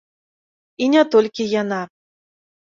І не толькі яна.